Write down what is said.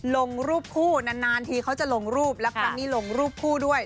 ลงรูปคู่นานทีเขาจะลงรูปและครั้งนี้ลงรูปคู่ด้วย